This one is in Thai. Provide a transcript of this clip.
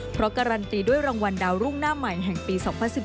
เพราะการันตีด้วยรางวัลดาวรุ่งหน้าใหม่แห่งปี๒๐๑๙